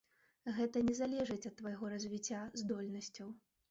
Гэта не залежыць ад твайго развіцця, здольнасцяў.